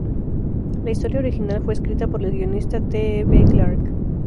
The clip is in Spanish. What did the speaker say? La historia original fue escrita por el guionista T. E. B. Clarke.